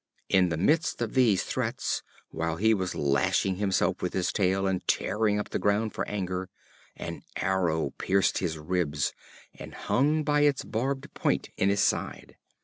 In the midst of these threats, while he was lashing himself with his tail, and tearing up the ground for anger, an arrow pierced his ribs, and hung by its barbed point in his side.